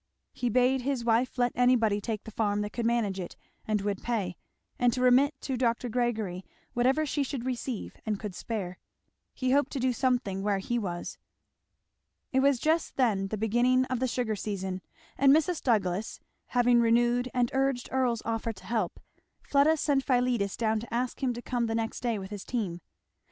He bade his wife let anybody take the farm that could manage it and would pay; and to remit to Dr. Gregory whatever she should receive and could spare. He hoped to do something where he was. It was just then the beginning of the sugar season; and Mrs. Douglass having renewed and urged Earl's offer of help, Fleda sent Philetus down to ask him to come the next day with his team.